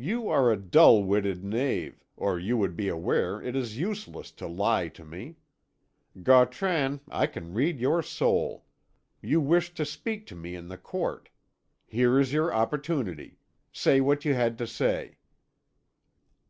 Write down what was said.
"You are a dull witted knave, or you would be aware it is useless to lie to me. Gautran, I can read your soul. You wished to speak to me in the court. Here is your opportunity. Say what you had to say."